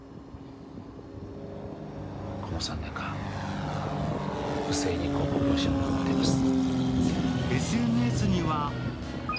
この３年間、不正に高校教師を名乗っています。